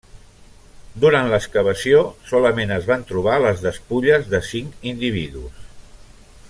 Durant l'excavació, solament es van trobar les despulles de cinc individus.